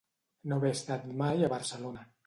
No haver estat mai a Barcelona.